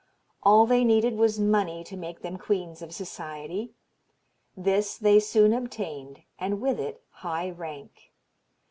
All they needed was money to make them queens of society; this they soon obtained, and with it high rank.